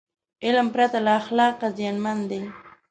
علم پرته له اخلاقه زیانمن دی.